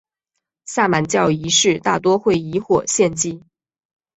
萨满教仪式大多会以火献祭。